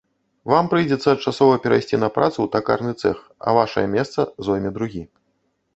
Вам прыйдзецца часова перайсці на працу ў такарны цэх, а вашае месца зойме другі.